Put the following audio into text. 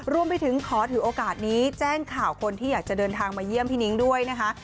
รวมไปถึงขอถือโอกาสนี้แจ้งข่าวคนที่อยากจะเดินทางมาเยี่ยมพี่นิ้งด้วยนะคะ